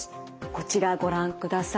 こちらご覧ください。